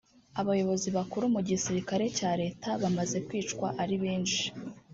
abayobozi bakuru mu gisirikare cya leta bamaze kwicwa ari benshi